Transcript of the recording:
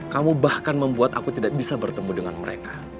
kamu bahkan membuat aku tidak bisa bertemu dengan mereka